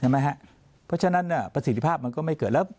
เพราะฉะนั้นประสิทธิภาพมันก็ไม่เกิดแล้ว